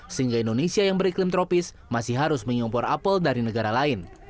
sehingga indonesia yang beriklim tropis masih harus mengimpor apel dari negara lain